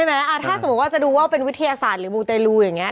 ใช่ไหมอ่าถ้าสมมุติว่าจะดูว่าเป็นวิทยาศาสตร์หรือมูลเตยรูอย่างเงี้ย